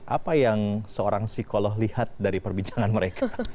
apa yang seorang psikolog lihat dari perbincangan mereka